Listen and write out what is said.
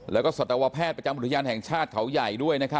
แล้วพี่ดูมันเป็นหมีอะไรอ่ะ